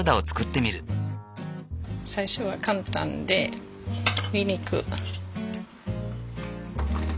最初は簡単でにんにく。